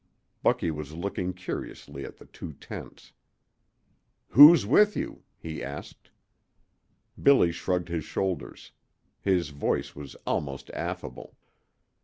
Bucky was looking curiously at the two tents. "Who's with you?" he asked. Billy shrugged his shoulders. His voice was almost affable.